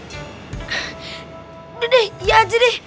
udah deh iya aja deh